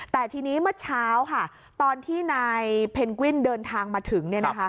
แต่ทีนี้เมื่อเช้าค่ะตอนที่นายเพนกวินเดินทางมาถึง